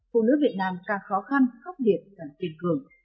phụ nữ việt nam càng khó khăn khóc điệt càng kiên cường